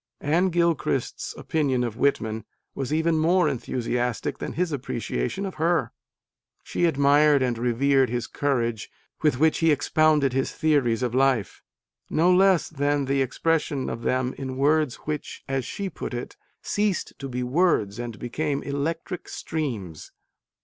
Anne Gilchrist s opinion of Whitman was even more enthusiastic than his appreciation of her. She admired and revered the courage with which he expounded his theories of life, no less than the expression of them in words which, as she put it, ceased to be words and became electric streams.